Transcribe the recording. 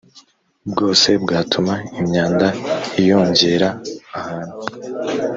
bwose bwatuma imyanda iyongera ahantu